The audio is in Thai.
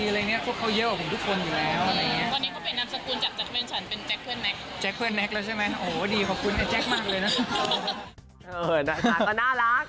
ตอนนี้ก็เป็นนับสกุลจากจัดเพลงฉันเป็นแจ็คเพื่อนแน็ก